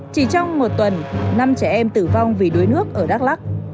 chỉ trong một tuần năm trẻ em tử vong vì đuối nước ở đắk lắc